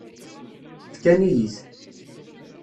Fkan-iyi-t.